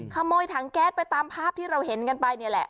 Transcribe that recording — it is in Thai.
ขโมยถังแก๊สไปตามภาพที่เราเห็นกันไปนี่แหละ